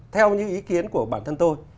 theo những ý kiến của bản thân tôi